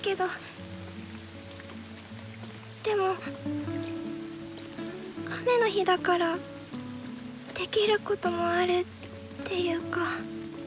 でも雨の日だからできることもあるっていうか。